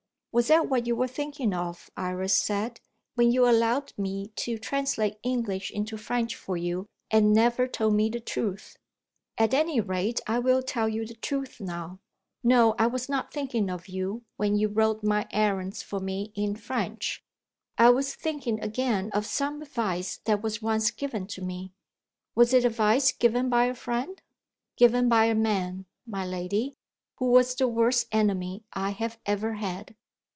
"Was that what you were thinking of," Iris said, "when you allowed me to translate English into French for you, and never told me the truth?" "At any rate, I will tell you the truth, now. No: I was not thinking of you, when you wrote my errands for me in French I was thinking again of some advice that was once given to me." "Was it advice given by a friend?" "Given by a man, my lady, who was the worst enemy I have ever had."